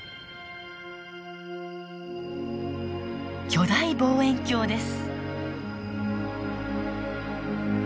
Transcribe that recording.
巨大望遠鏡です。